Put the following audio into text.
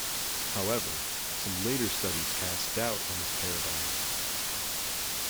However, some later studies cast doubt on this paradigm.